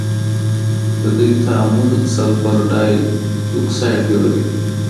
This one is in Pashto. د دوی تعامل سلفر ډای اکسايډ جوړوي.